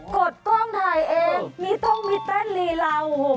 ก็เอ่อต้องบอกว่ามันไม่ได้อยู่ประเทศไทยคุณชนะ